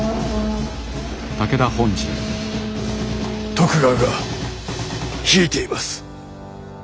徳川が引いています。